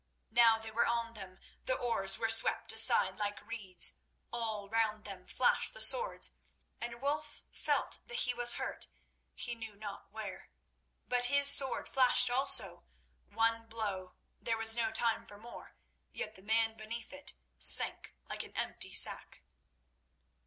Now they were on them. The oars were swept aside like reeds; all round them flashed the swords, and Wulf felt that he was hurt, he knew not where. But his sword flashed also, one blow—there was no time for more—yet the man beneath it sank like an empty sack.